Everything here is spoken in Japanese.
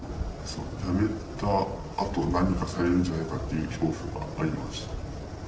やめたあと、何かされるんじゃないかっていう恐怖がありましたよね。